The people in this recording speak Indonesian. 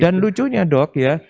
dan lucunya dok ya